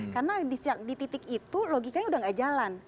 karena di titik itu logikanya udah gak jalan